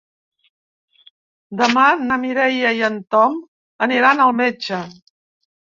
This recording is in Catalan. Demà na Mireia i en Tom aniran al metge.